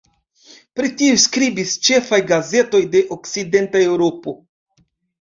Pri tio skribis ĉefaj gazetoj de okcidenta Eŭropo.